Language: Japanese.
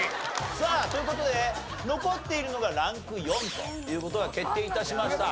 さあという事で残っているのがランク４という事が決定致しました。